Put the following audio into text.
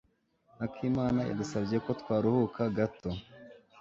Akimana yadusabye ko twaruhuka gato.